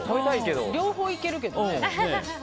両方いけるけどね。